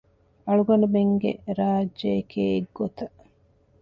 އަޅުގަނޑުމެންގެ ރާއްޖެއެކޭ އެއްގޮތަށް